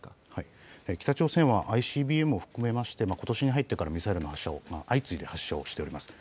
北朝鮮はＩＣＢＭを含めまして、ことしに入ってからミサイルの発射を、相次いで発射をしております。